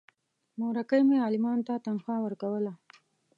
مورکۍ مې عالمانو ته تنخوا ورکوله.